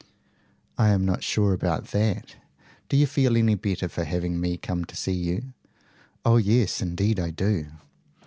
"I am not sure about that. Do you feel any better for having me come to see you?" "Oh, yes, indeed I do!"